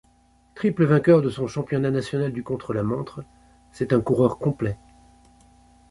Triple vainqueur de son championnat national du contre-la-montre, c'est un coureur complet.